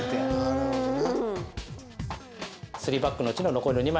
なるほどね。